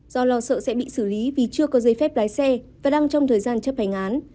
do lo sợ sẽ bị xử lý vì chưa có giấy phép lái xe và đang trong thời gian chấp hành án